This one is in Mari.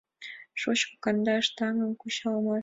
Шучко, кандаш таҥым куча улмаш.